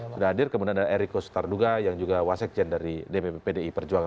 sudah hadir kemudian ada eriko sutarduga yang juga wasekjen dari dpp pdi perjuangan